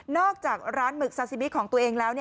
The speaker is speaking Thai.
จากร้านหมึกซาซิมิของตัวเองแล้ว